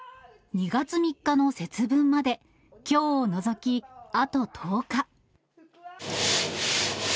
２月３日の節分まできょうを除きあと１０日。